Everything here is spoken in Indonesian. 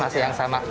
masih yang sama